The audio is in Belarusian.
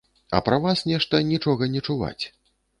А пра вас нешта нічога не чуваць.